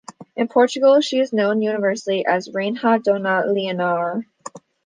In Portugal, she is known universally as "Rainha Dona Leonor".